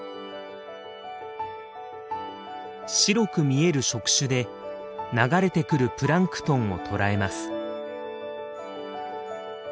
白く見える触手で流れてくるプランクトンを捕らえます。